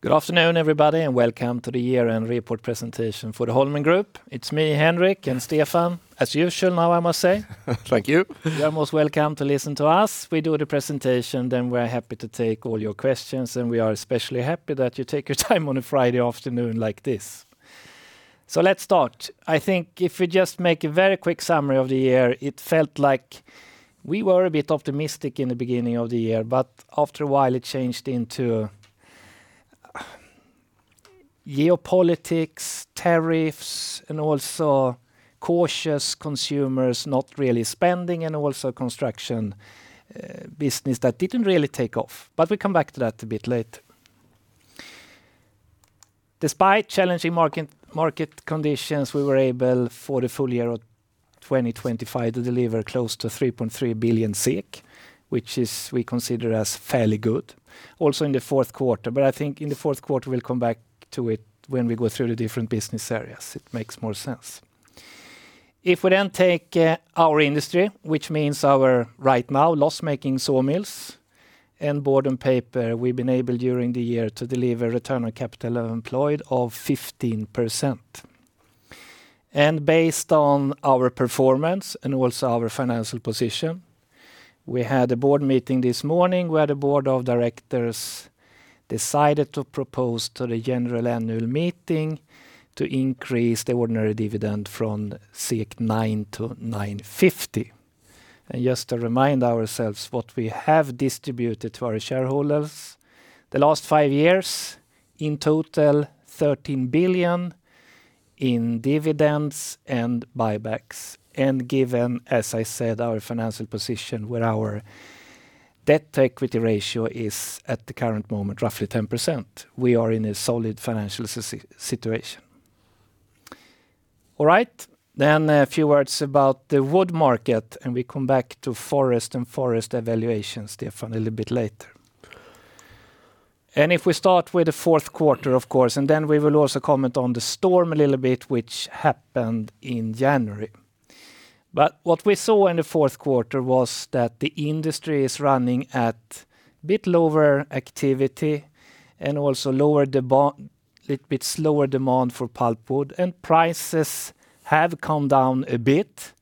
Good afternoon, everybody, and welcome to the year-end report presentation for the Holmen Group. It's me, Henrik, and Stefan, as usual, now I must say. Thank you. You are most welcome to listen to us. We do the presentation, then we're happy to take all your questions, and we are especially happy that you take your time on a Friday afternoon like this. So let's start. I think if we just make a very quick summary of the year, it felt like we were a bit optimistic in the beginning of the year, but after a while, it changed into geopolitics, tariffs, and also cautious consumers not really spending, and also construction business that didn't really take off. But we come back to that a bit later. Despite challenging market, market conditions, we were able, for the full year of 2025, to deliver close to 3.3 billion SEK, which is we consider as fairly good, also in the fourth quarter. But I think in the fourth quarter, we'll come back to it when we go through the different business areas. It makes more sense. If we then take our industry, which means our right now loss-making sawmills and board and paper, we've been able, during the year, to deliver return on capital employed of 15%. Based on our performance and also our financial position, we had a board meeting this morning, where the board of directors decided to propose to the general annual meeting to increase the ordinary dividend from 9 to 9.50. Just to remind ourselves what we have distributed to our shareholders, the last five years, in total, 13 billion in dividends and buybacks. Given, as I said, our financial position where our debt-to-equity ratio is, at the current moment, roughly 10%, we are in a solid financial situation. All right, then a few words about the wood market, and we come back to forest and forest evaluations, Stefan, a little bit later. And if we start with the fourth quarter, of course, and then we will also comment on the storm a little bit, which happened in January. But what we saw in the fourth quarter was that the industry is running at a bit lower activity and also lower demand, a little bit slower demand for pulpwood, and prices have come down a bit,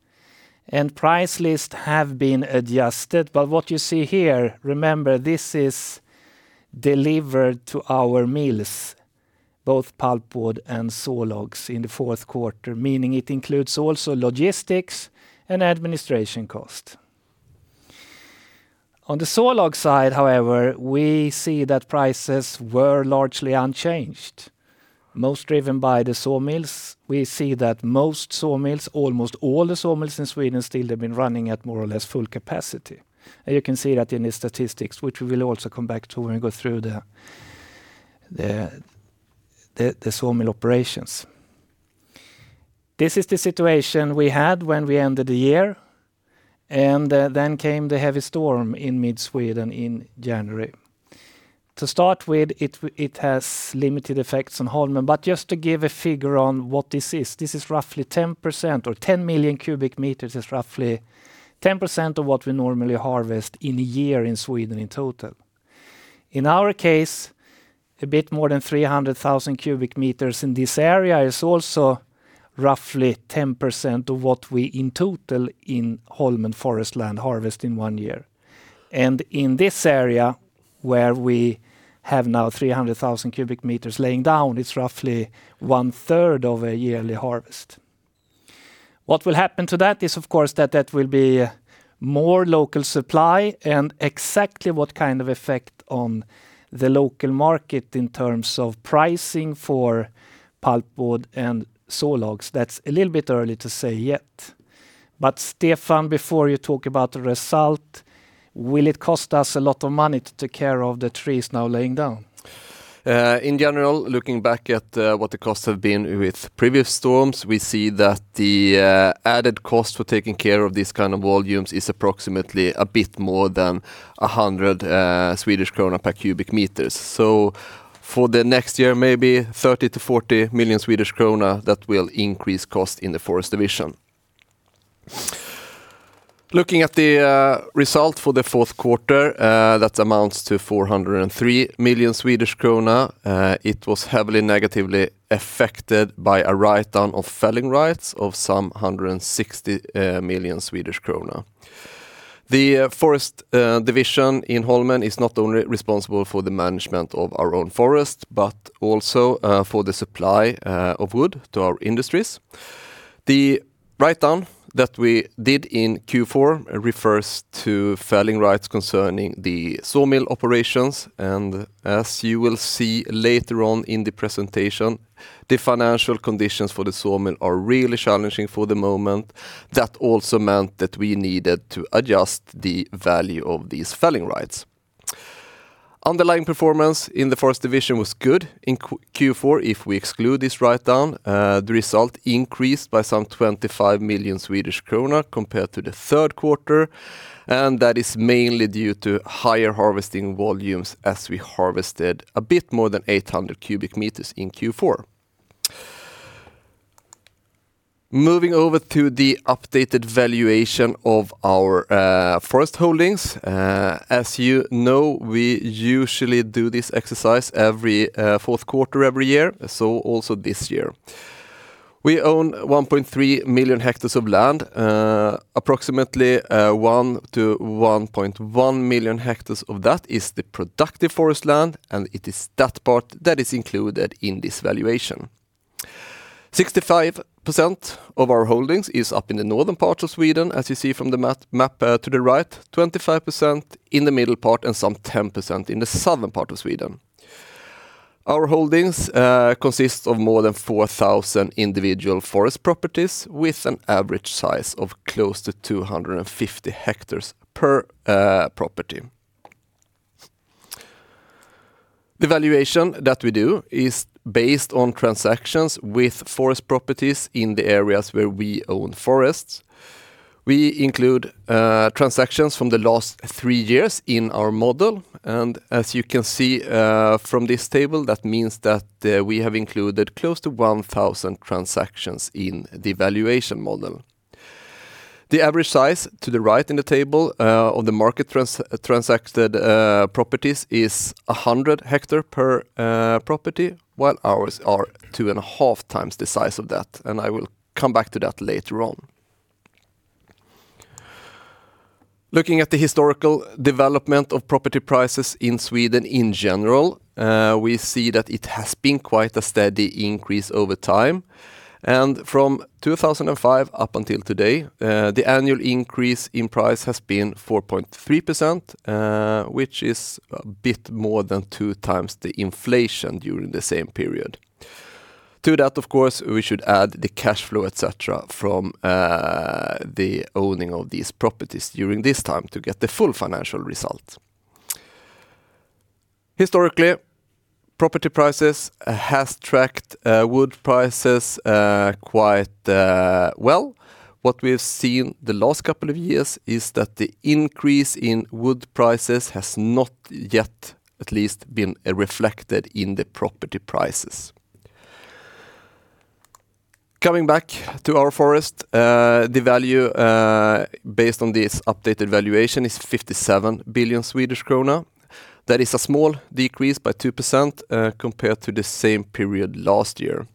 and price lists have been adjusted. But what you see here, remember, this is delivered to our mills, both pulpwood and sawlogs, in the fourth quarter, meaning it includes also logistics and administration cost. On the sawlog side, however, we see that prices were largely unchanged, most driven by the sawmills. We see that most sawmills, almost all the sawmills in Sweden, still they've been running at more or less full capacity. And you can see that in the statistics, which we will also come back to when we go through the sawmill operations. This is the situation we had when we ended the year, and then came the heavy storm in mid-Sweden in January. To start with, it has limited effects on Holmen, but just to give a figure on what this is, this is roughly 10% or 10 million m3 is roughly 10% of what we normally harvest in a year in Sweden in total. In our case, a bit more than 300,000 m3 in this area is also roughly 10% of what we, in total, in Holmen forest land, harvest in one year. And in this area, where we have now 300,000 m3 laying down, it's roughly one third of a yearly harvest. What will happen to that is, of course, that that will be more local supply and exactly what kind of effect on the local market in terms of pricing for pulpwood and sawlogs. That's a little bit early to say yet. But Stefan, before you talk about the result, will it cost us a lot of money to take care of the trees now laying down? In general, looking back at what the costs have been with previous storms, we see that the added cost for taking care of these kind of volumes is approximately a bit more than 100 Swedish krona per m3. So for the next year, maybe 30 million-40 million Swedish krona, that will increase cost in the forest division. Looking at the result for the fourth quarter, that amounts to 403 million Swedish krona, it was heavily negatively affected by a writedown of felling rights of some 160 million Swedish krona. The forest division in Holmen is not only responsible for the management of our own forest, but also for the supply of wood to our industries. The write-down that we did in Q4 refers to felling rights concerning the sawmill operations, and as you will see later on in the presentation, the financial conditions for the sawmill are really challenging for the moment. That also meant that we needed to adjust the value of these felling rights. Underlying performance in the forest division was good in Q4. If we exclude this write-down, the result increased by some 25 million Swedish krona compared to the third quarter, and that is mainly due to higher harvesting volumes as we harvested a bit more than 800 cubic meters in Q4.... Moving over to the updated valuation of our forest holdings. As you know, we usually do this exercise every fourth quarter every year, so also this year. We own 1.3 million hectares of land, approximately, 1-1.1 million hectares of that is the productive forest land, and it is that part that is included in this valuation. 65% of our holdings is up in the northern part of Sweden, as you see from the map to the right, 25% in the middle part, and some 10% in the southern part of Sweden. Our holdings consists of more than 4,000 individual forest properties, with an average size of close to 250 hectares per property. The valuation that we do is based on transactions with forest properties in the areas where we own forests. We include transactions from the last three years in our model, and as you can see from this table, that means that we have included close to 1,000 transactions in the valuation model. The average size to the right in the table on the market transacted properties is 100 hectare per property, while ours are 2.5 times the size of that, and I will come back to that later on. Looking at the historical development of property prices in Sweden in general, we see that it has been quite a steady increase over time. From 2005 up until today, the annual increase in price has been 4.3%, which is a bit more than two times the inflation during the same period. To that, of course, we should add the cash flow, et cetera, from the owning of these properties during this time to get the full financial result. Historically, property prices has tracked wood prices quite well. What we've seen the last couple of years is that the increase in wood prices has not yet at least been reflected in the property prices. Coming back to our forest, the value based on this updated valuation is 57 billion Swedish krona. That is a small decrease by 2% compared to the same period last year.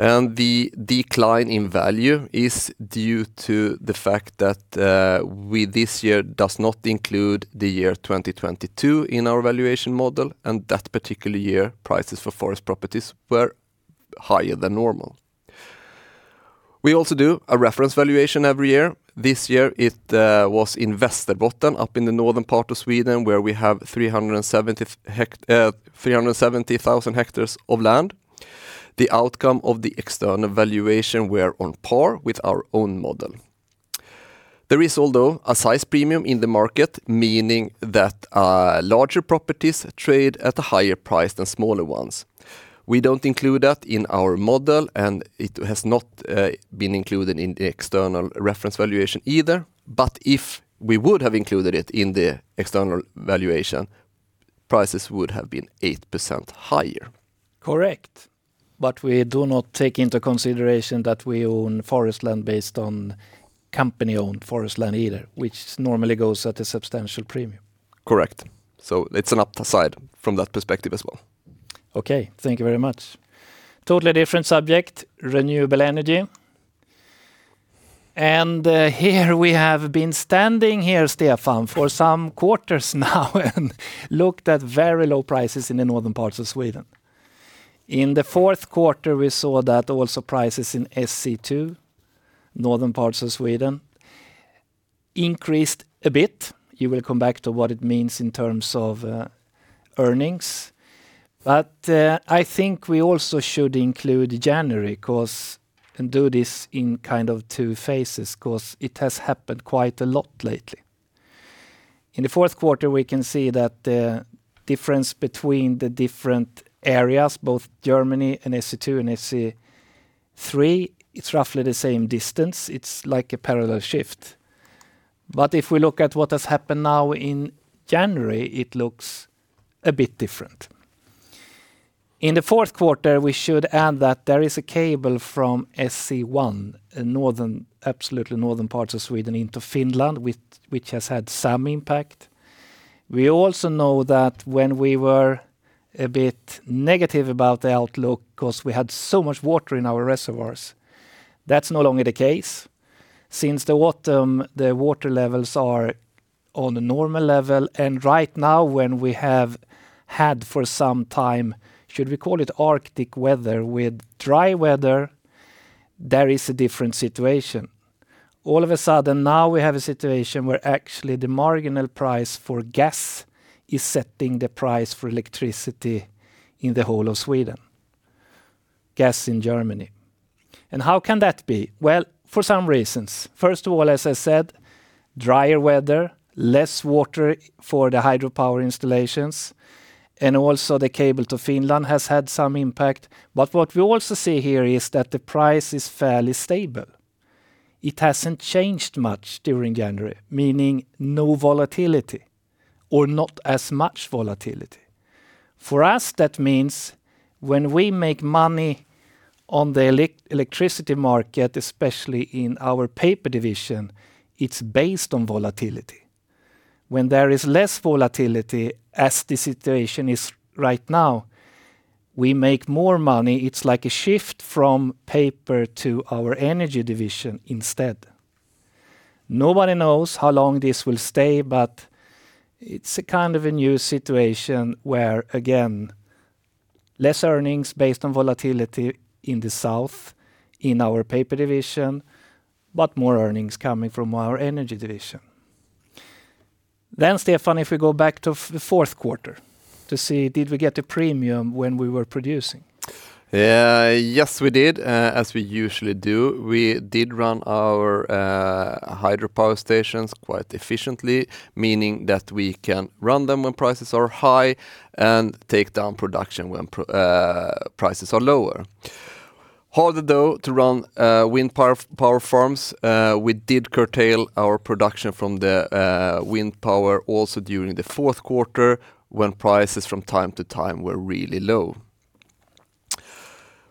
And the decline in value is due to the fact that we this year does not include the year 2022 in our valuation model, and that particular year, prices for forest properties were higher than normal. We also do a reference valuation every year. This year, it was investor bottom-up in the northern part of Sweden, where we have 370,000 hectares of land. The outcome of the external valuation were on par with our own model. There is, although, a size premium in the market, meaning that larger properties trade at a higher price than smaller ones. We don't include that in our model, and it has not been included in the external reference valuation either. But if we would have included it in the external valuation, prices would have been 8% higher. Correct. But we do not take into consideration that we own forest land based on company-owned forest land either, which normally goes at a substantial premium. Correct. So it's an upside from that perspective as well. Okay, thank you very much. Totally different subject, renewable energy. And, here we have been standing here, Stefan, for some quarters now and looked at very low prices in the northern parts of Sweden. In the fourth quarter, we saw that also prices in SE2, northern parts of Sweden, increased a bit. You will come back to what it means in terms of, earnings. But, I think we also should include January, 'cause and do this in kind of two phases, 'cause it has happened quite a lot lately. In the fourth quarter, we can see that the difference between the different areas, both Germany and SE2 and SE3, it's roughly the same distance. It's like a parallel shift. But if we look at what has happened now in January, it looks a bit different. In the fourth quarter, we should add that there is a cable from SE1, in northern, absolutely northern parts of Sweden into Finland, which has had some impact. We also know that when we were a bit negative about the outlook, 'cause we had so much water in our reservoirs, that's no longer the case. Since the water, the water levels are on a normal level, and right now, when we have had for some time, should we call it arctic weather with dry weather, there is a different situation. All of a sudden, now we have a situation where actually the marginal price for gas is setting the price for electricity in the whole of Sweden. Gas in Germany. And how can that be? Well, for some reasons. First of all, as I said, drier weather, less water for the hydropower installations, and also the cable to Finland has had some impact. But what we also see here is that the price is fairly stable... It hasn't changed much during January, meaning no volatility or not as much volatility. For us, that means when we make money on the electricity market, especially in our paper division, it's based on volatility. When there is less volatility, as the situation is right now, we make more money. It's like a shift from paper to our energy division instead. Nobody knows how long this will stay, but it's a kind of a new situation where, again, less earnings based on volatility in the south, in our paper division, but more earnings coming from our energy division. Stefan, if we go back to the fourth quarter to see, did we get a premium when we were producing? Yes, we did, as we usually do. We did run our hydropower stations quite efficiently, meaning that we can run them when prices are high and take down production when prices are lower. Harder, though, to run wind power farms. We did curtail our production from the wind power also during the fourth quarter, when prices from time to time were really low.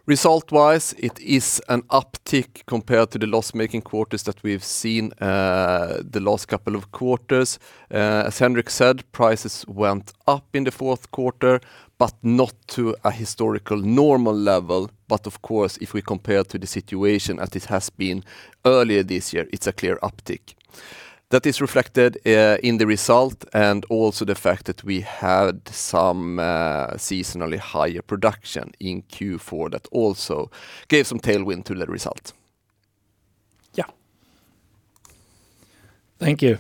Result-wise, it is an uptick compared to the loss-making quarters that we've seen the last couple of quarters. As Henrik said, prices went up in the fourth quarter, but not to a historical normal level. But of course, if we compare to the situation as it has been earlier this year, it's a clear uptick. That is reflected in the result, and also the fact that we had some seasonally higher production in Q4 that also gave some tailwind to the result. Yeah. Thank you.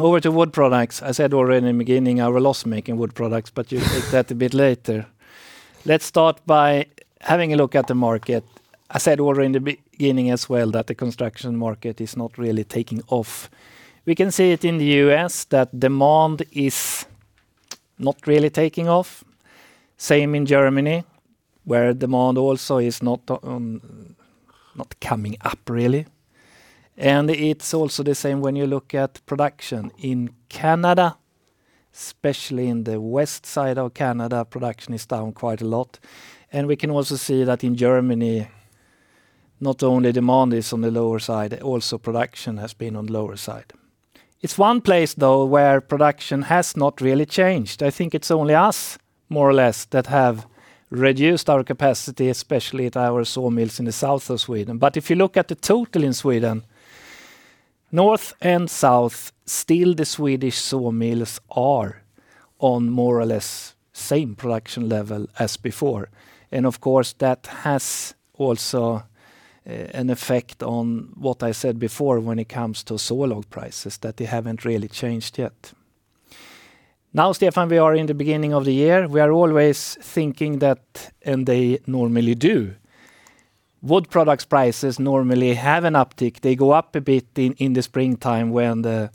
Over to Wood Products. I said already in the beginning, our loss-making Wood Products, but take that a bit later. Let's start by having a look at the market. I said already in the beginning as well, that the construction market is not really taking off. We can see it in the U.S., that demand is not really taking off. Same in Germany, where demand also is not, not coming up, really. And it's also the same when you look at production in Canada, especially in the west side of Canada, production is down quite a lot. And we can also see that in Germany, not only demand is on the lower side, also production has been on the lower side. It's one place, though, where production has not really changed. I think it's only us, more or less, that have reduced our capacity, especially at our sawmills in the south of Sweden. But if you look at the total in Sweden, north and south, still the Swedish sawmills are on more or less same production level as before. And of course, that has also an effect on what I said before, when it comes to sawlog prices, that they haven't really changed yet. Now, Stefan, we are in the beginning of the year. We are always thinking that, and they normally do. Wood products prices normally have an uptick. They go up a bit in the springtime when the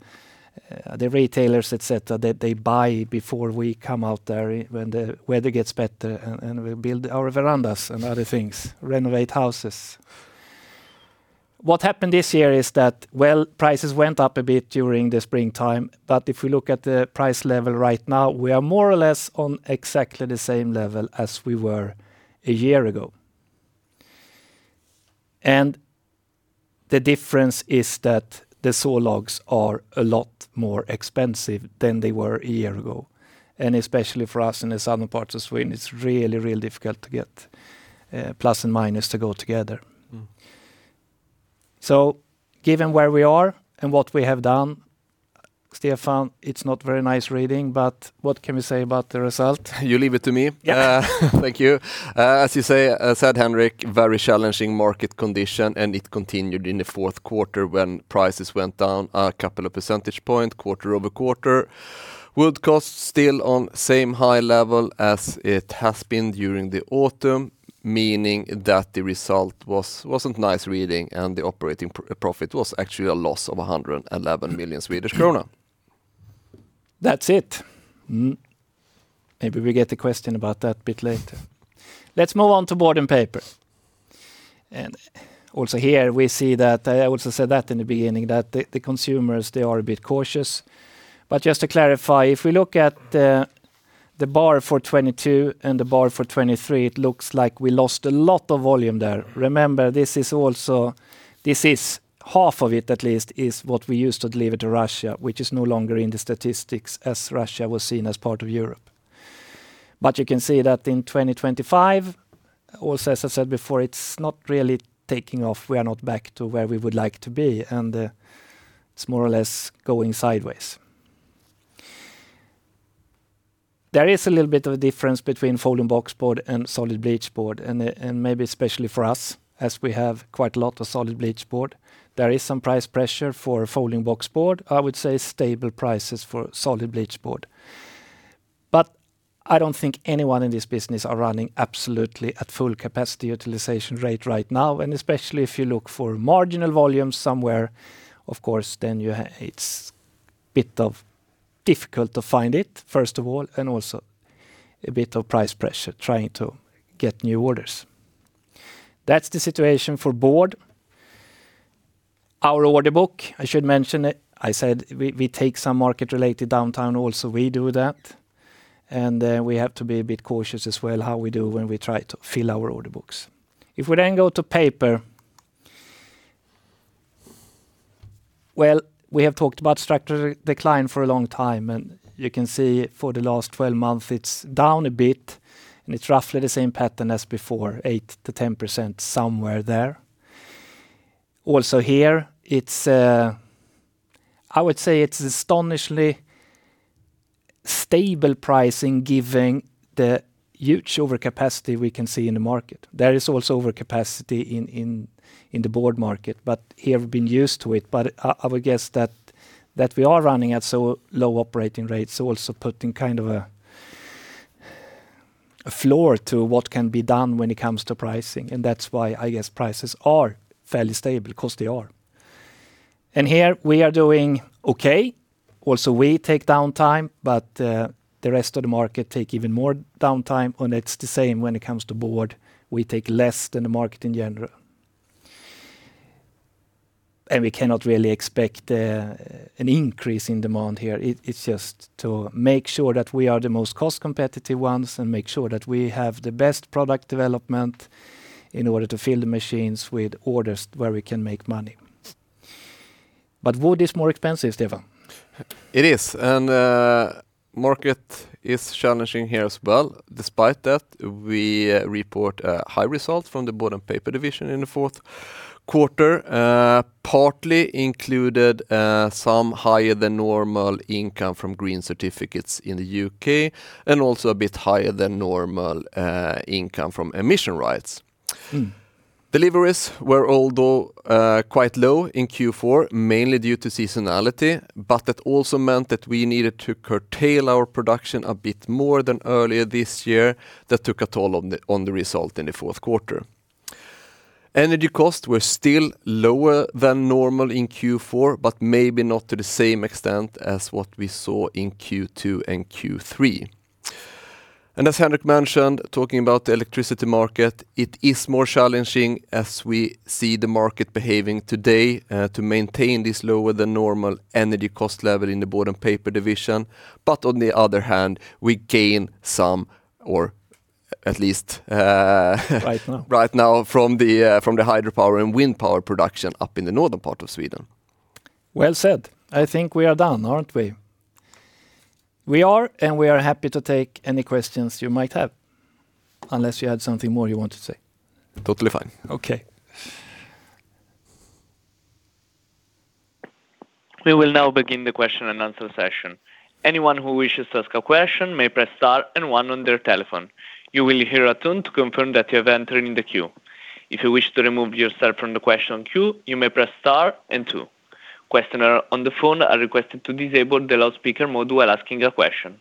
retailers, et cetera, they buy before we come out there, when the weather gets better and we build our verandas and other things, renovate houses. What happened this year is that, well, prices went up a bit during the springtime, but if we look at the price level right now, we are more or less on exactly the same level as we were a year ago. The difference is that the sawlogs are a lot more expensive than they were a year ago. Especially for us, in the southern part of Sweden, it's really, really difficult to get plus and minus to go together. Mm-hmm. Given where we are and what we have done, Stefan, it's not very nice reading, but what can we say about the result? You leave it to me? Yeah. Thank you. As you say, said Henrik, very challenging market condition, and it continued in the fourth quarter when prices went down a couple of percentage point, quarter-over-quarter. Wood costs still on same high level as it has been during the autumn, meaning that the result wasn't nice reading, and the operating profit was actually a loss of 111 million Swedish krona. That's it. Mm-hmm. Maybe we get a question about that bit later. Let's move on to Paperboard and Paper. Also here, we see that. I also said that in the beginning, that the consumers, they are a bit cautious. But just to clarify, if we look at the bar for 2022 and the bar for 2023, it looks like we lost a lot of volume there. Mm-hmm. Remember, this is also... This is, half of it, at least, is what we used to deliver to Russia, which is no longer in the statistics, as Russia was seen as part of Europe. But you can see that in 2025, also, as I said before, it's not really taking off. We are not back to where we would like to be, and it's more or less going sideways. There is a little bit of a difference between folding boxboard and solid bleached board, and and maybe especially for us, as we have quite a lot of solid bleached board. There is some price pressure for folding boxboard. I would say stable prices for solid bleached board. But I don't think anyone in this business are running absolutely at full capacity utilization rate right now, and especially if you look for marginal volumes somewhere, of course, then it's a bit difficult to find it, first of all, and also a bit of price pressure, trying to get new orders. That's the situation for board. Our order book, I should mention it, I said we, we take some market-related downtime also, we do that, and we have to be a bit cautious as well, how we do when we try to fill our order books. If we then go to paper, well, we have talked about structural decline for a long time, and you can see for the last 12 months, it's down a bit, and it's roughly the same pattern as before, 8%-10%, somewhere there. Also here, it's, I would say it's astonishingly stable pricing, given the huge overcapacity we can see in the market. There is also overcapacity in the board market, but here we've been used to it. But I would guess that we are running at so low operating rates, so also putting kind of a floor to what can be done when it comes to pricing, and that's why I guess prices are fairly stable, 'cause they are. And here we are doing okay. Also, we take downtime, but the rest of the market take even more downtime, and it's the same when it comes to board. We take less than the market in general. And we cannot really expect an increase in demand here. It's just to make sure that we are the most cost-competitive ones, and make sure that we have the best product development in order to fill the machines with orders where we can make money. But wood is more expensive, Stefan. It is, and, market is challenging here as well. Despite that, we report high results from the board and paper division in the fourth quarter, partly included some higher than normal income from green certificates in the U.K., and also a bit higher than normal income from emission rights. Mm. Deliveries were, although, quite low in Q4, mainly due to seasonality, but that also meant that we needed to curtail our production a bit more than earlier this year. That took a toll on the result in the fourth quarter. Energy costs were still lower than normal in Q4, but maybe not to the same extent as what we saw in Q2 and Q3. As Henrik mentioned, talking about the electricity market, it is more challenging as we see the market behaving today to maintain this lower than normal energy cost level in the board and paper division. But on the other hand, we gain some or at least, - Right now... right now from the hydropower and wind power production up in the northern part of Sweden. Well said. I think we are done, aren't we? We are, and we are happy to take any questions you might have, unless you had something more you want to say. Totally fine. Okay. We will now begin the question and answer session. Anyone who wishes to ask a question may press star and one on their telephone. You will hear a tune to confirm that you have entered in the queue. If you wish to remove yourself from the question queue, you may press star and two. Questioner on the phone are requested to disable the loudspeaker mode while asking a question.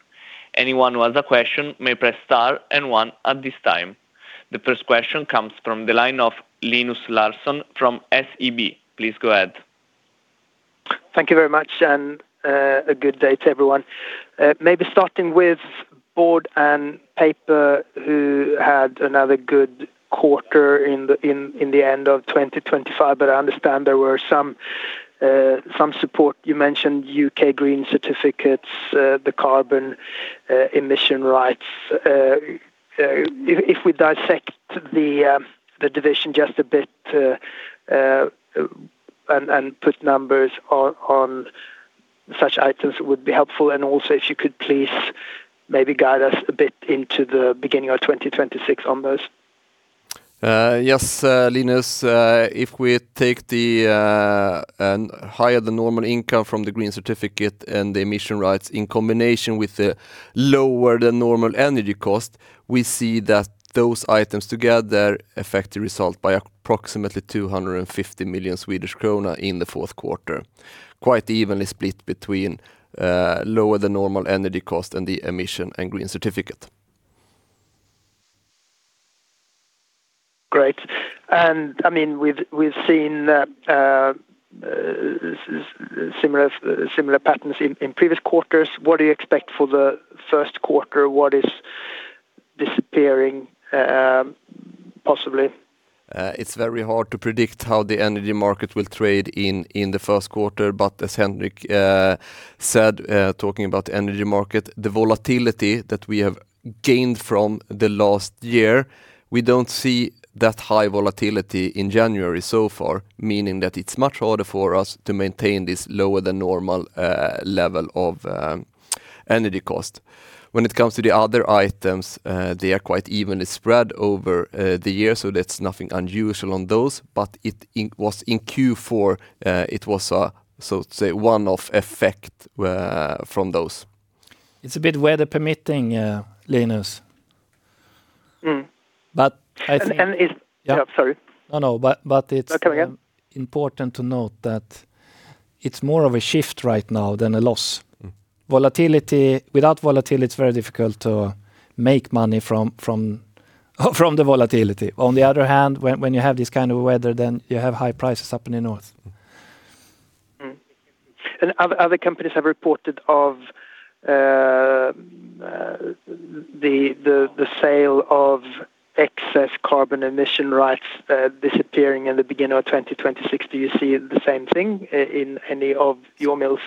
Anyone who has a question may press star and one at this time. The first question comes from the line of Linus Larsson from SEB. Please go ahead. Thank you very much, and a good day to everyone. Maybe starting with board and paper, who had another good quarter in the end of 2025, but I understand there were some support. You mentioned UK green certificates, the carbon emission rights. If we dissect the division just a bit, and put numbers on such items would be helpful, and also, if you could please maybe guide us a bit into the beginning of 2026 on those. Yes, Linus, if we take the and higher than normal income from the green certificate and the emission rights in combination with the lower than normal energy cost, we see that those items together affect the result by approximately 250 million Swedish krona in the fourth quarter. Quite evenly split between lower than normal energy cost and the emission and green certificate. Great. And, I mean, we've seen similar patterns in previous quarters. What do you expect for the first quarter? What is disappearing, possibly? It's very hard to predict how the energy market will trade in the first quarter, but as Henrik said, talking about the energy market, the volatility that we have gained from the last year, we don't see that high volatility in January so far, meaning that it's much harder for us to maintain this lower than normal level of energy cost. When it comes to the other items, they are quite evenly spread over the year, so that's nothing unusual on those, but it was in Q4, it was a, so to say, one-off effect from those. It's a bit weather permitting, Linus. Mm. But I think- Yeah, sorry. No, but it's- Come again... important to note that it's more of a shift right now than a loss. Mm. Volatility. Without volatility, it's very difficult to make money from the volatility. On the other hand, when you have this kind of weather, then you have high prices up in the north. Other companies have reported of the sale of excess carbon emission rights disappearing in the beginning of 2026. Do you see the same thing in any of your mills?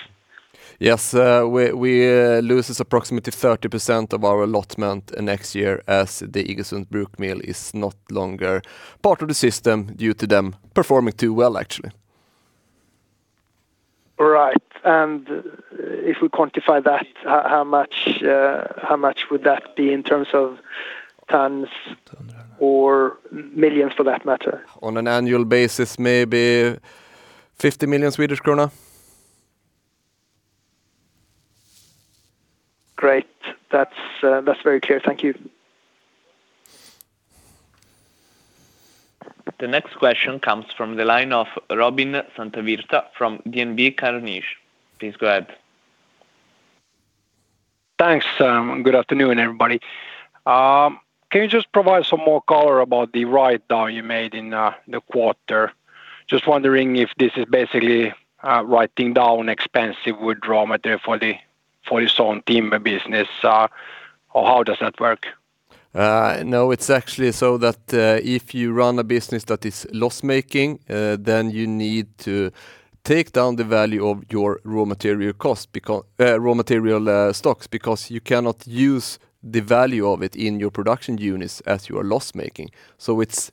Yes, we lose approximately 30% of our allotment next year as the Iggesund Bruk Mill is no longer part of the system due to them performing too well, actually. Right. And if we quantify that, how much would that be in terms of tons? Ton or millions, for that matter? On an annual basis, maybe 50 million Swedish krona. Great. That's, that's very clear. Thank you. The next question comes from the line of Robin Santavirta from DNB Carnegie. Please go ahead. Thanks, good afternoon, everybody. Can you just provide some more color about the write-down you made in the quarter? Just wondering if this is basically writing down expensive wood raw material for the, for your sawn timber business, or how does that work? No, it's actually so that if you run a business that is loss-making, then you need to take down the value of your raw material cost, because raw material stocks, because you cannot use the value of it in your production units as you are loss-making. So it's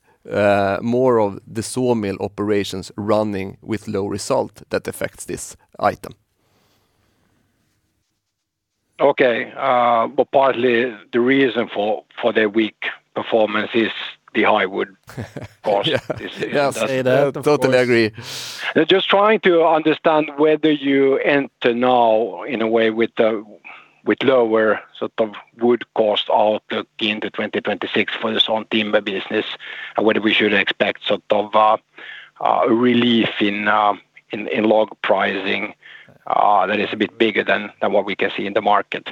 more of the saw mill operations running with low result that affects this item. Okay. But partly the reason for the weak performance is the high wood cost. Yeah. This is- Yeah, I totally agree. Just trying to understand whether you enter now in a way with, with lower sort of wood cost all the way into 2026 for the sawn timber business, and whether we should expect sort of, relief in, in, in log pricing, that is a bit bigger than, than what we can see in the market.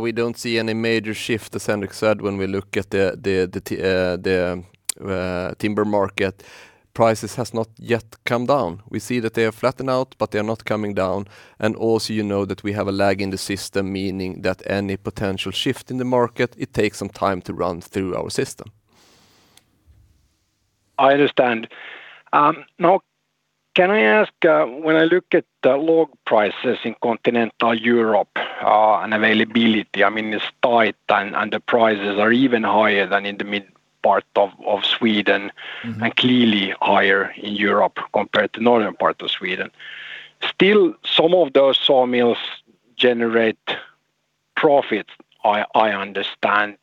We don't see any major shift, as Henrik said, when we look at the timber market. Prices has not yet come down. We see that they have flattened out, but they are not coming down, and also, you know that we have a lag in the system, meaning that any potential shift in the market, it takes some time to run through our system. I understand. Now, can I ask, when I look at the log prices in continental Europe, and availability, I mean, it's tight, and the prices are even higher than in the mid part of Sweden- Mm-hmm... and clearly higher in Europe compared to northern part of Sweden. Still, some of those sawmills generate profits, I understand.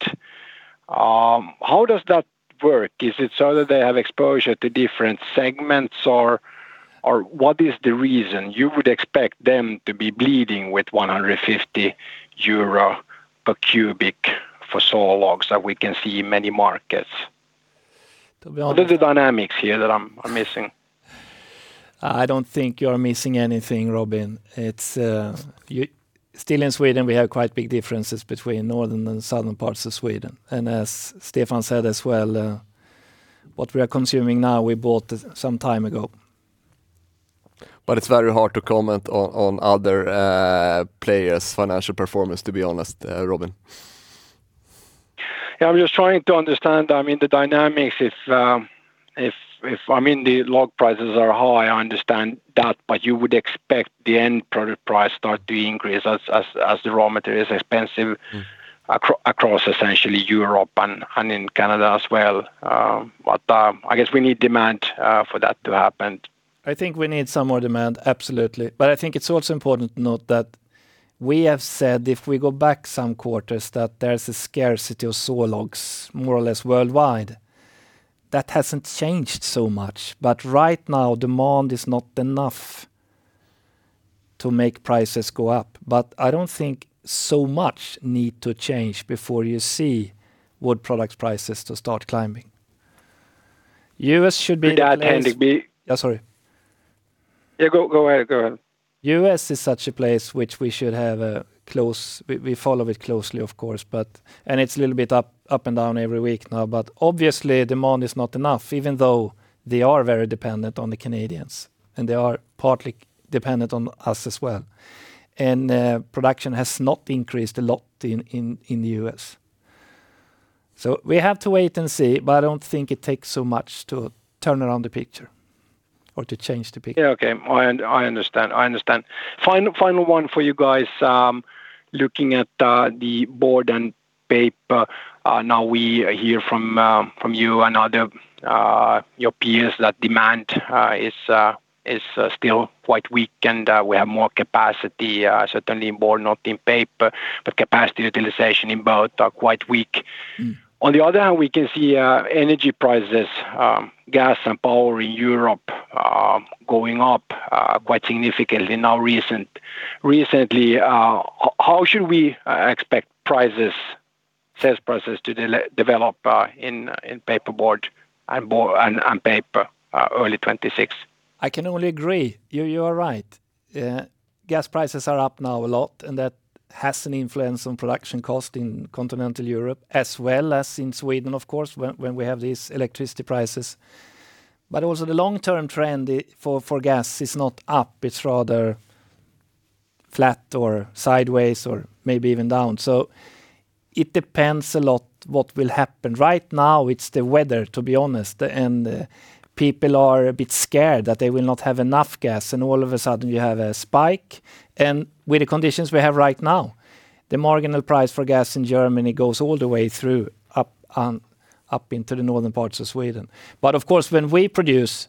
How does that work? Is it so that they have exposure to different segments, or what is the reason you would expect them to be bleeding with 150 euro per cubic for sawlogs that we can see in many markets? To be honest- What are the dynamics here that I'm missing? I don't think you're missing anything, Robin. It's still in Sweden, we have quite big differences between northern and southern parts of Sweden. And as Stefan said as well, what we are consuming now, we bought some time ago. But it's very hard to comment on other players' financial performance, to be honest, Robin. Yeah, I'm just trying to understand, I mean, the dynamics if I mean, the log prices are high, I understand that, but you would expect the end product price start to increase as the raw material is expensive... Mm Across essentially Europe and in Canada as well. But I guess we need demand for that to happen. I think we need some more demand, absolutely. But I think it's also important to note that we have said if we go back some quarters, that there's a scarcity of sawlogs, more or less worldwide. That hasn't changed so much, but right now, demand is not enough to make prices go up. But I don't think so much need to change before you see wood products prices to start climbing. U.S. should be- With that, Henrik, we- Yeah, sorry. Yeah, go, go ahead. Go ahead. U.S. is such a place which we should have a close... We follow it closely, of course, but and it's a little bit up and down every week now. But obviously, demand is not enough, even though they are very dependent on the Canadians, and they are partly dependent on us as well. And production has not increased a lot in the U.S. So we have to wait and see, but I don't think it takes so much to turn around the picture or to change the picture. Yeah, okay. I, I understand. I understand. Final, final one for you guys, looking at the board and paper, now we hear from you and others, your peers that demand is is still quite weak, and we have more capacity, certainly in board, not in paper, but capacity utilization in both are quite weak. Mm. On the other hand, we can see energy prices, gas and power in Europe, going up quite significantly recently. How should we expect prices, sales prices to develop in paperboard and paper early 2026? I can only agree. You are right. Gas prices are up now a lot, and that has an influence on production cost in continental Europe, as well as in Sweden, of course, when we have these electricity prices. But also the long-term trend for gas is not up, it's rather flat or sideways or maybe even down. So it depends a lot what will happen. Right now, it's the weather, to be honest, and people are a bit scared that they will not have enough gas, and all of a sudden you have a spike. And with the conditions we have right now, the marginal price for gas in Germany goes all the way through, upon, up into the northern parts of Sweden. But of course, when we produce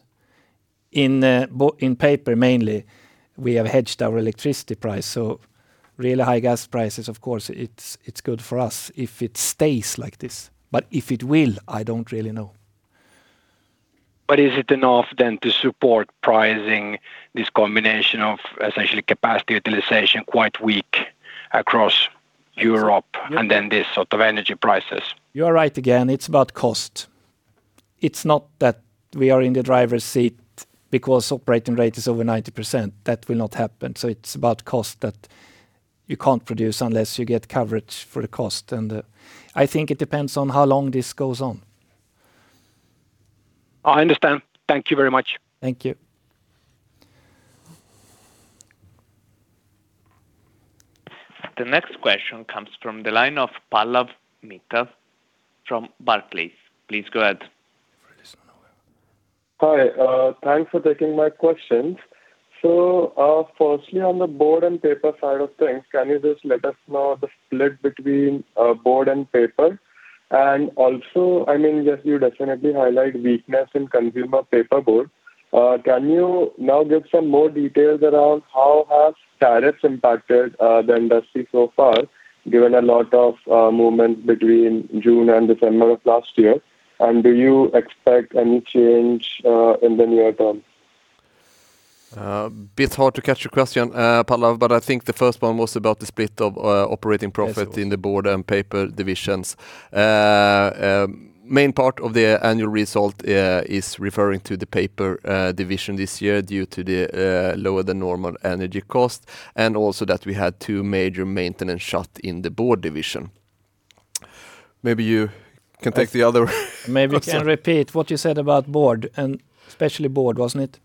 in paper, mainly, we have hedged our electricity price. Really high gas prices, of course, it's good for us if it stays like this. If it will, I don't really know. But is it enough then to support pricing, this combination of essentially capacity utilization quite weak across Europe? Yes. And then this sort of energy prices? You are right again. It's about cost. It's not that we are in the driver's seat because operating rate is over 90%. That will not happen. So it's about cost that you can't produce unless you get coverage for the cost, and I think it depends on how long this goes on. I understand. Thank you very much. Thank you. The next question comes from the line of Pallavi Mehta from Barclays. Please go ahead. Hi, thanks for taking my questions. So, firstly, on the board and paper side of things, can you just let us know the split between board and paper? And also, I mean, just you definitely highlight weakness in consumer paperboard. Can you now give some more details around how has tariffs impacted the industry so far, given a lot of movement between June and December of last year? And do you expect any change in the near term? Bit hard to catch your question, Pallavi, but I think the first one was about the split of operating profit- Yes, sir... in the board and paper divisions. Main part of the annual result is referring to the paper division this year, due to the lower than normal energy cost, and also that we had two major maintenance shutdowns in the board division. Maybe you can take the other, Maybe you can repeat what you said about board, and especially board, wasn't it?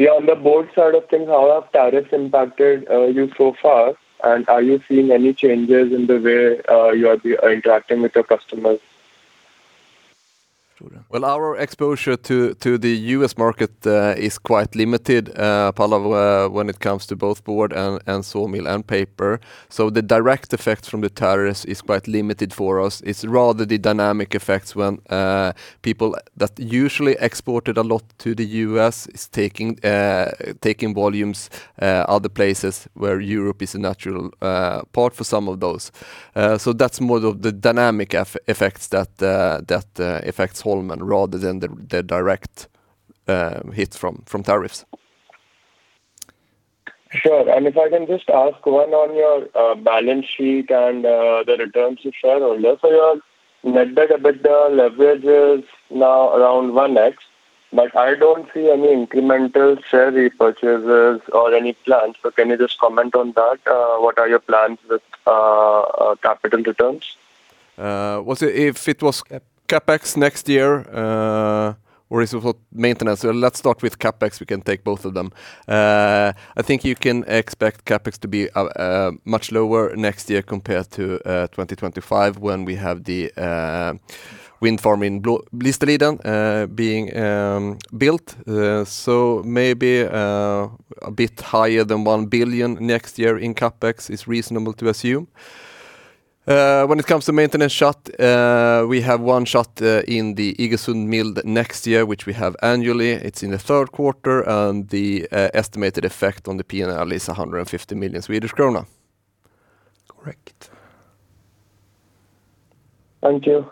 Yeah, on the board side of things, how have tariffs impacted you so far, and are you seeing any changes in the way you are interacting with your customers? Well, our exposure to the U.S. market is quite limited, Pallavi, when it comes to both board and sawmill and paper. So the direct effect from the tariffs is quite limited for us. It's rather the dynamic effects when people that usually exported a lot to the U.S. is taking volumes other places, where Europe is a natural part for some of those. So that's more of the dynamic effects that affects Holmen, rather than the direct hit from tariffs. Sure. If I can just ask one on your balance sheet and the returns you shared earlier. Your net debt EBITDA leverage is now around 1x, but I don't see any incremental share repurchases or any plans. Can you just comment on that? What are your plans with capital returns? Uh, was it... If it was- CapEx... CapEx next year, or is it for maintenance? Well, let's start with CapEx. We can take both of them. I think you can expect CapEx to be a much lower next year compared to 2025, when we have the wind farm in Blisterliden being built. So maybe a bit higher than 1 billion next year in CapEx is reasonable to assume. When it comes to maintenance shutdown, we have one shutdown in the Iggesund mill next year, which we have annually. It's in the third quarter, and the estimated effect on the P&L is 150 million Swedish krona. Correct. Thank you.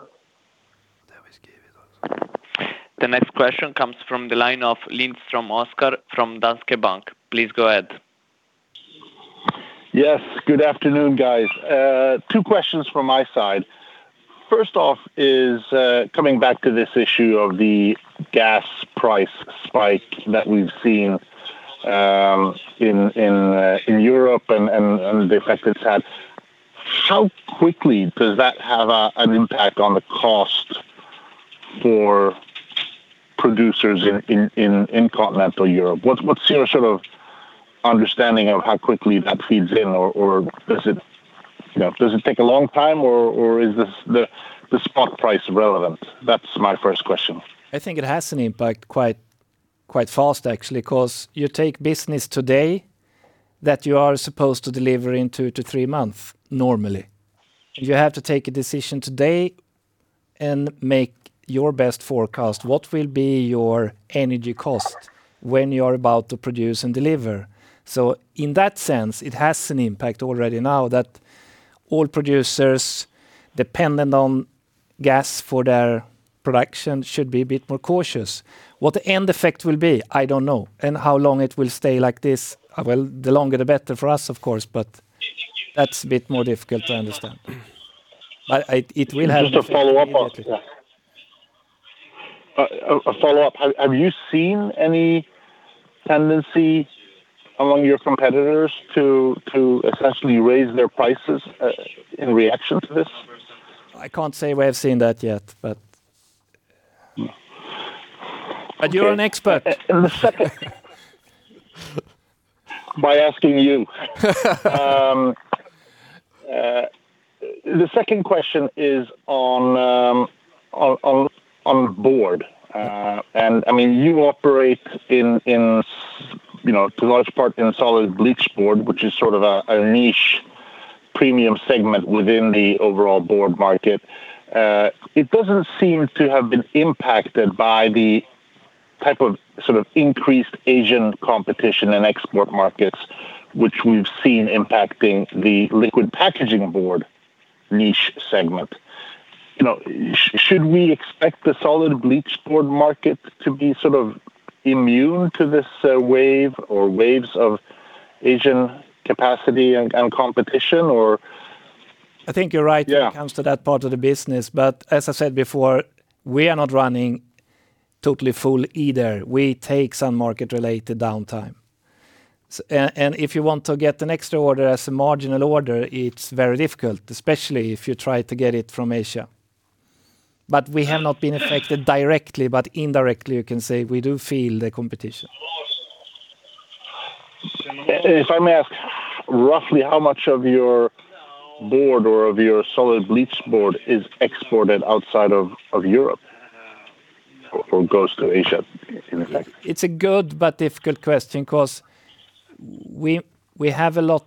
The next question comes from the line of Oskar Lindström from Danske Bank. Please go ahead. Yes, good afternoon, guys. Two questions from my side. First off is coming back to this issue of the gas price spike that we've seen in Europe and the effect it's had. How quickly does that have an impact on the cost for producers in continental Europe? What's your sort of understanding of how quickly that feeds in? Or does it, you know, take a long time or is this the spot price relevant? That's my first question. I think it has an impact quite, quite fast, actually, 'cause you take business today that you are supposed to deliver in 2-3 months, normally. You have to take a decision today and make your best forecast. What will be your energy cost when you are about to produce and deliver? So in that sense, it has an impact already now that all producers dependent on gas for their production should be a bit more cautious. What the end effect will be, I don't know, and how long it will stay like this, well, the longer the better for us, of course, but that's a bit more difficult to understand.... But I, it will have- Just a follow-up on that. Have you seen any tendency among your competitors to essentially raise their prices in reaction to this? I can't say we have seen that yet, but- Mm. But you're an expert. By asking you. The second question is on board. And I mean, you operate in you know a large part in solid bleached board, which is sort of a niche premium segment within the overall board market. It doesn't seem to have been impacted by the type of sort of increased Asian competition and export markets, which we've seen impacting the liquid packaging board niche segment. You know, should we expect the solid bleached board market to be sort of immune to this wave or waves of Asian capacity and competition, or? I think you're right- Yeah ...when it comes to that part of the business. But as I said before, we are not running totally full either. We take some market-related downtime. And if you want to get an extra order as a marginal order, it's very difficult, especially if you try to get it from Asia. But we have not been affected directly, but indirectly, you can say, we do feel the competition. If I may ask, roughly how much of your board or of your solid bleached board is exported outside of Europe or goes to Asia, in effect? It's a good but difficult question, 'cause we have a lot,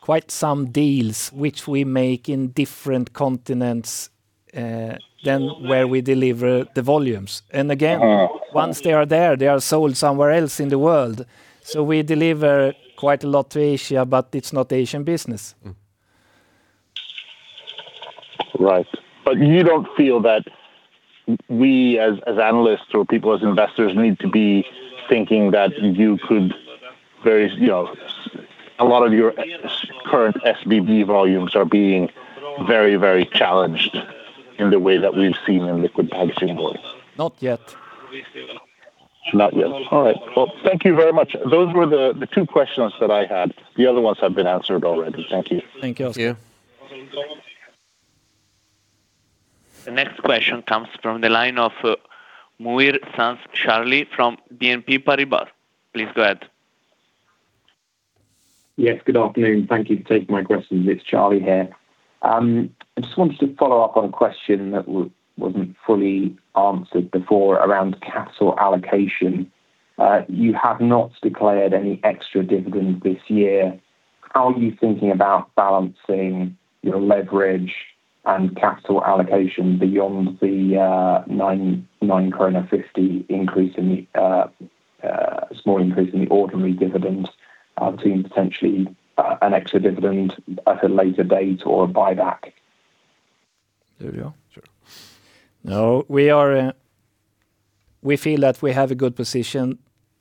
quite some deals which we make in different continents than where we deliver the volumes. Mm. Again, once they are there, they are sold somewhere else in the world. We deliver quite a lot to Asia, but it's not Asian business. Mm. Right. But you don't feel that we, as, as analysts or people, as investors, need to be thinking that you could very, you know... A lot of your current SBB volumes are being very, very challenged in the way that we've seen in liquid packaging board? Not yet. Not yet. All right. Well, thank you very much. Those were the two questions that I had. The other ones have been answered already. Thank you. Thank you. The next question comes from the line of, Muir-Sands Charlie from BNP Paribas. Please go ahead. Yes, good afternoon. Thank you for taking my question. It's Charlie here. I just wanted to follow up on a question that wasn't fully answered before around capital allocation. You have not declared any extra dividend this year. How are you thinking about balancing your leverage and capital allocation beyond the 9.95 krona increase in the small increase in the ordinary dividend, between potentially an extra dividend at a later date or a buyback? There we go. Sure. No, we are. We feel that we have a good position,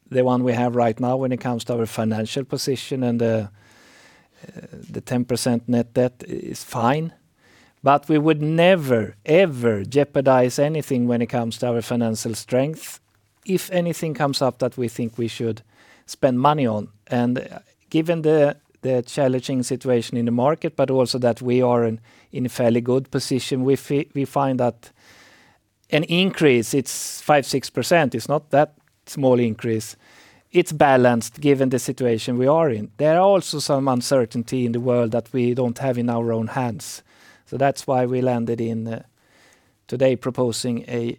the one we have right now, when it comes to our financial position, and, the 10% net debt is fine, but we would never, ever jeopardize anything when it comes to our financial strength. If anything comes up that we think we should spend money on, and given the challenging situation in the market, but also that we are in a fairly good position, we find that an increase, it's 5%-6%. It's not that small increase. It's balanced, given the situation we are in. There are also some uncertainty in the world that we don't have in our own hands. So that's why we landed in today proposing a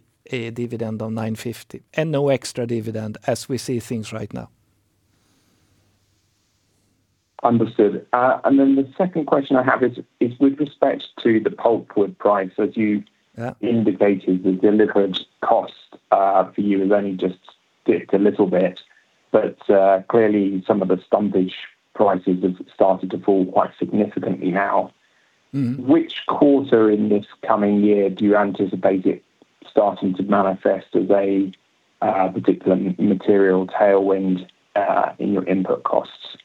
dividend of 9.50, and no extra dividend as we see things right now. Understood. And then the second question I have is with respect to the pulpwood price. As you- Yeah... indicated, the delivery cost for you has only just dipped a little bit, but clearly, some of the stumpage prices have started to fall quite significantly now. Mm-hmm. Which quarter in this coming year do you anticipate it starting to manifest as a particular material tailwind in your input costs?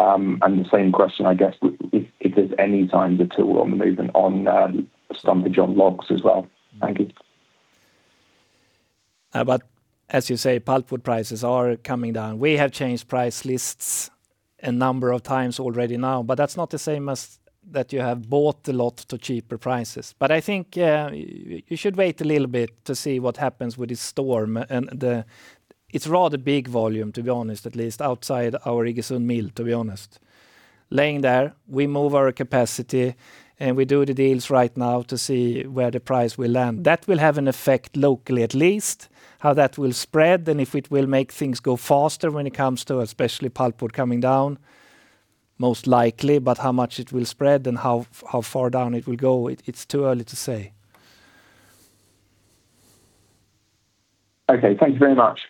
And the same question, I guess, if there's any timeline on the movement on the stumpage on logs as well. Thank you. But as you say, pulpwood prices are coming down. We have changed price lists a number of times already now, but that's not the same as that you have bought a lot to cheaper prices. But I think, you should wait a little bit to see what happens with this storm. And it's rather big volume, to be honest, at least outside our Iggesund mill, to be honest. Lying there, we move our capacity, and we do the deals right now to see where the price will land. That will have an effect locally, at least. How that will spread, and if it will make things go faster when it comes to, especially pulpwood coming down, most likely, but how much it will spread and how, how far down it will go, it's too early to say. Okay. Thank you very much.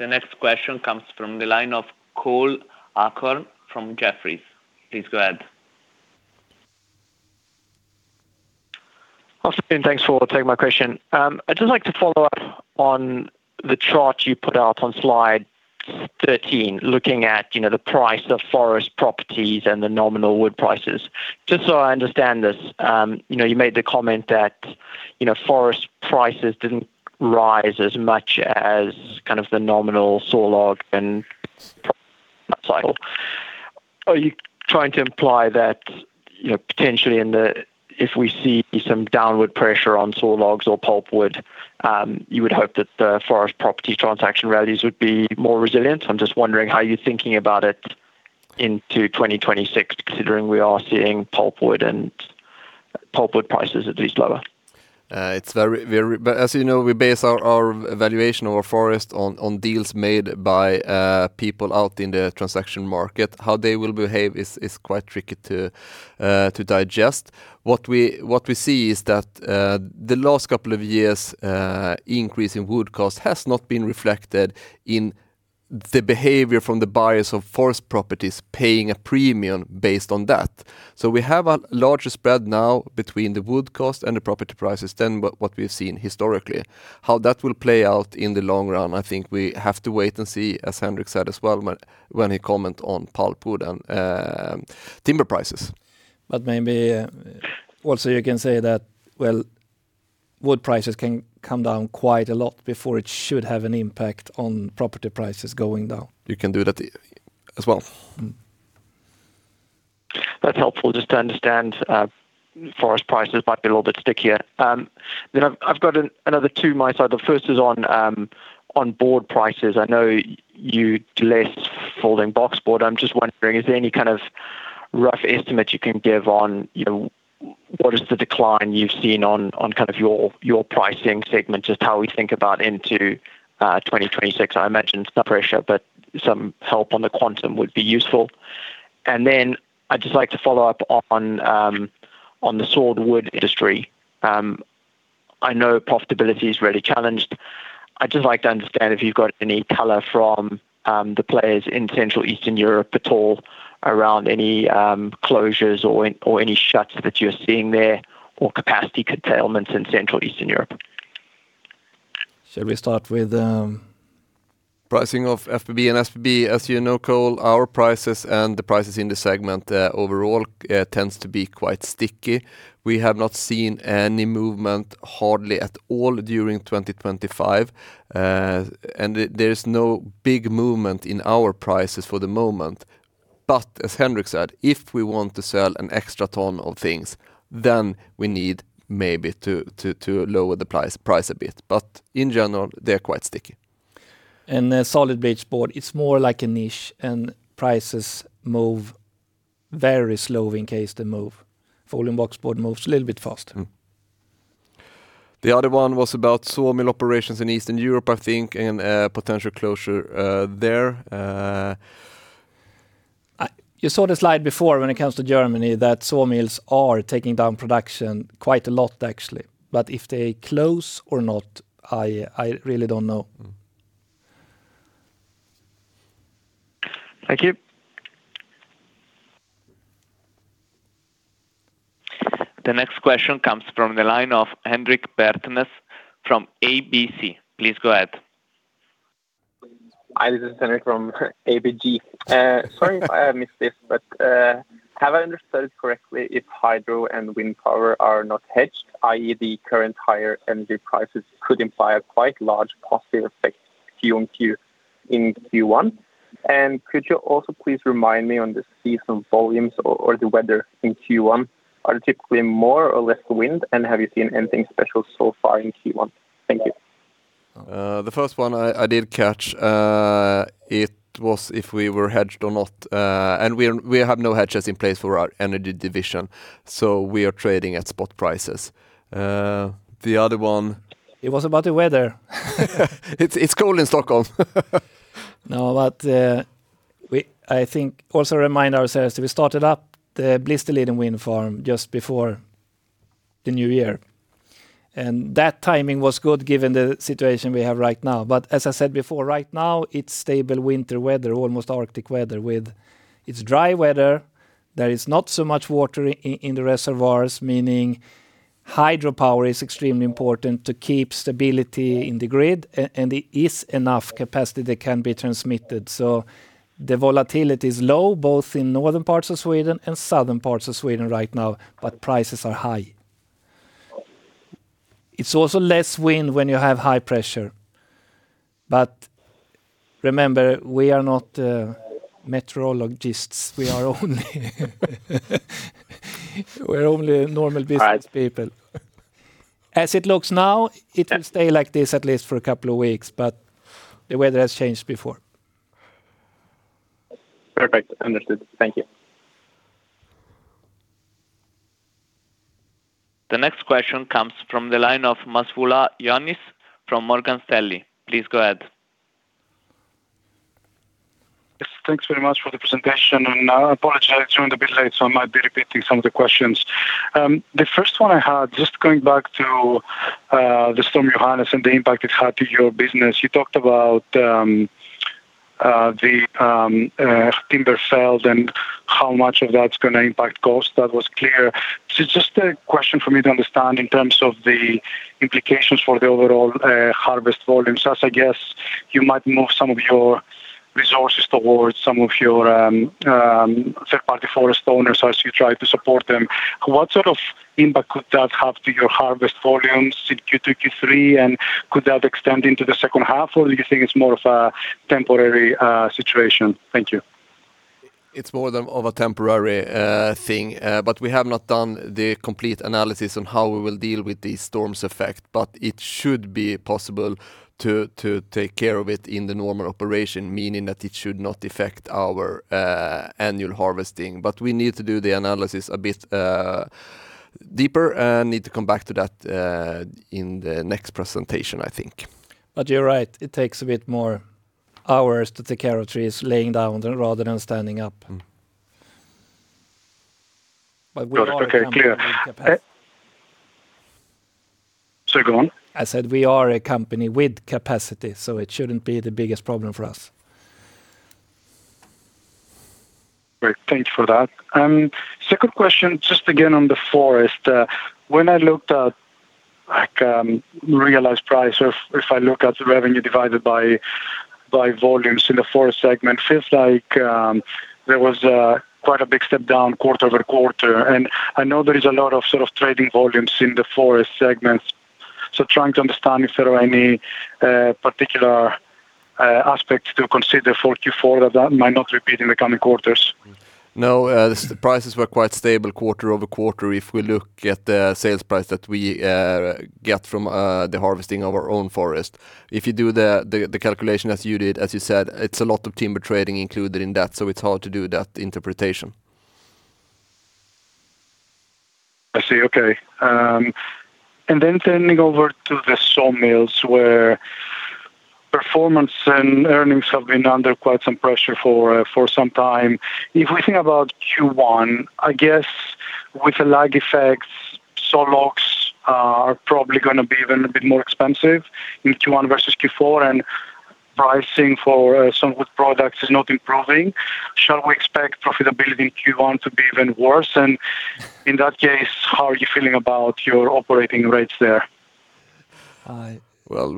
The next question comes from the line of Cole Hathorn from Jefferies. Please go ahead.... Awesome, thanks for taking my question. I'd just like to follow up on the chart you put out on slide 13, looking at, you know, the price of forest properties and the nominal wood prices. Just so I understand this, you know, you made the comment that, you know, forest prices didn't rise as much as kind of the nominal saw log and cycle. Are you trying to imply that, you know, potentially if we see some downward pressure on sawlogs or pulpwood, you would hope that the forest property transaction rallies would be more resilient? I'm just wondering how you're thinking about it into 2026, considering we are seeing pulpwood and pulpwood prices at least lower. But as you know, we base our valuation of our forest on deals made by people out in the transaction market. How they will behave is quite tricky to digest. What we see is that the last couple of years increase in wood cost has not been reflected in the behavior from the buyers of forest properties, paying a premium based on that. So we have a larger spread now between the wood cost and the property prices than what we've seen historically. How that will play out in the long run, I think we have to wait and see, as Henrik said as well, when he comment on pulpwood and timber prices. Maybe, also you can say that, well, wood prices can come down quite a lot before it should have an impact on property prices going down. You can do that as well. Mm-hmm. That's helpful just to understand, forest prices might be a little bit stickier. Then I've got another two from my side. The first is on board prices. I know you've less folding boxboard. I'm just wondering, is there any kind of rough estimate you can give on, you know, what is the decline you've seen on, on kind of your pricing segment? Just how we think about into 2026. I imagine some pressure, but some help on the quantum would be useful. And then I'd just like to follow up on the sawed wood industry. I know profitability is really challenged. I'd just like to understand if you've got any color from the players in Central Eastern Europe at all, around any closures or any shuts that you're seeing there, or capacity curtailments in Central Eastern Europe? Should we start with? Pricing of FBB and FSB, as you know, Cole, our prices and the prices in the segment overall tends to be quite sticky. We have not seen any movement, hardly at all, during 2025. There, there's no big movement in our prices for the moment. But as Henrik said, if we want to sell an extra ton of things, then we need maybe to lower the price a bit. But in general, they're quite sticky. The solid base board, it's more like a niche, and prices move very slowly in case they move. Folding box board moves a little bit faster. Mm-hmm. The other one was about sawmill operations in Eastern Europe, I think, and potential closure there. You saw the slide before when it comes to Germany, that sawmills are taking down production quite a lot, actually, but if they close or not, I really don't know. Thank you. The next question comes from the line of Henrik Bertness from ABG. Please go ahead. Hi, this is Henrik from ABG. Sorry if I missed this, but, have I understood correctly, if hydro and wind power are not hedged, i.e., the current higher energy prices could imply a quite large positive effect Q on Q in Q1? Could you also please remind me on the season volumes or, or the weather in Q1, are particularly more or less wind, and have you seen anything special so far in Q1? Thank you. The first one I did catch. It was if we were hedged or not, and we have no hedges in place for our energy division, so we are trading at spot prices. The other one- It was about the weather. It's cold in Stockholm. No, but, we I think also remind ourselves that we started up the Blisterliden Wind Farm just before the new year, and that timing was good given the situation we have right now. But as I said before, right now, it's stable winter weather, almost Arctic weather, with. It's dry weather. There is not so much water in the reservoirs, meaning hydropower is extremely important to keep stability in the grid, and there is enough capacity that can be transmitted. So the volatility is low, both in northern parts of Sweden and southern parts of Sweden right now, but prices are high. It's also less wind when you have high pressure. But remember, we are not meteorologists. We are only, we're only normal business people. Right. As it looks now, it will stay like this at least for a couple of weeks, but the weather has changed before. Perfect. Understood. Thank you. The next question comes from the line of Masvoulas Ioannis from Morgan Stanley. Please go ahead. Yes, thanks very much for the presentation, and I apologize I'm a bit late, so I might be repeating some of the questions. The first one I had, just going back to the Storm Johannes and the impact it had to your business. You talked about the timber felled and how much of that's gonna impact cost, that was clear. So just a question for me to understand in terms of the implications for the overall harvest volumes, as I guess you might move some of your resources towards some of your third-party forest owners as you try to support them. What sort of impact could that have to your harvest volumes in Q2, Q3, and could that extend into the second half, or do you think it's more of a temporary situation? Thank you. It's more of a temporary thing, but we have not done the complete analysis on how we will deal with the storm's effect, but it should be possible to take care of it in the normal operation, meaning that it should not affect our annual harvesting. But we need to do the analysis a bit deeper, and need to come back to that in the next presentation, I think. But you're right, it takes a bit more hours to take care of trees laying down rather than standing up. Okay, clear. But we are a company with capacity. Sorry, go on. I said, we are a company with capacity, so it shouldn't be the biggest problem for us. Great. Thank you for that. Second question, just again, on the forest. When I looked at, like, realized price, or if I look at the revenue divided by volumes in the forest segment, feels like there was quite a big step down quarter-over-quarter. And I know there is a lot of sort of trading volumes in the forest segments, so trying to understand if there are any particular aspects to consider for Q4 that might not repeat in the coming quarters? No, the prices were quite stable quarter-over-quarter. If we look at the sales price that we get from the harvesting of our own forest. If you do the calculation as you did, as you said, it's a lot of timber trading included in that, so it's hard to do that interpretation. I see. Okay. And then turning over to the sawmills, where performance and earnings have been under quite some pressure for some time. If we think about Q1, I guess with the lag effects, saw logs are probably gonna be even a bit more expensive in Q1 versus Q4, and pricing for some wood products is not improving. Shall we expect profitability in Q1 to be even worse? And in that case, how are you feeling about your operating rates there? Uh- Well,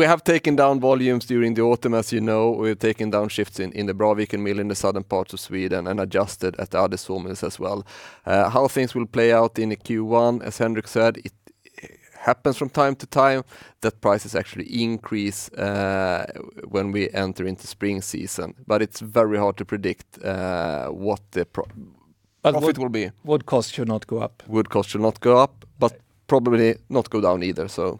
we have taken down volumes during the autumn, as you know. We've taken down shifts in the Braviken mill in the southern part of Sweden and adjusted at the other sawmills as well. How things will play out in the Q1, as Henrik said, it happens from time to time, that prices actually increase, when we enter into spring season. But it's very hard to predict, what the pro- But- -profit will be. Wood costs should not go up. Wood costs should not go up, but probably not go down either, so...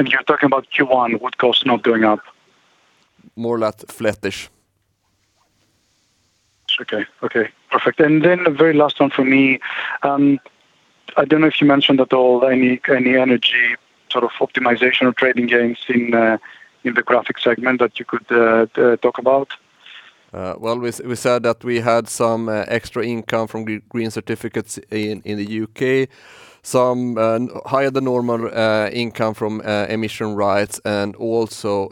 You're talking about Q1, wood costs not going up? More or less flattish. Okay. Okay, perfect. And then the very last one for me. I don't know if you mentioned at all any energy sort of optimization or trading gains in the graphic segment that you could talk about? Well, we said that we had some extra income from the green certificates in the U.K., some higher than normal income from emission rights, and also,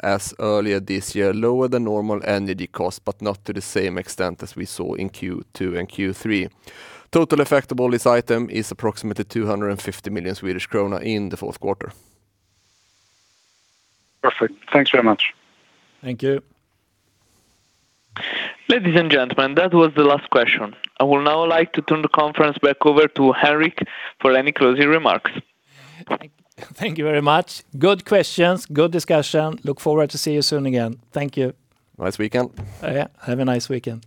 as earlier this year, lower than normal energy costs, but not to the same extent as we saw in Q2 and Q3. Total effect of all this item is approximately 250 million Swedish krona in the fourth quarter. Perfect. Thanks very much. Thank you. Ladies and gentlemen, that was the last question. I would now like to turn the conference back over to Henrik for any closing remarks. Thank you very much. Good questions, good discussion. Look forward to see you soon again. Thank you. Nice weekend. Yeah, have a nice weekend.